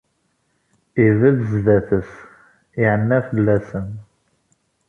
Ibedd sdat-s, iɛenna fell-asen.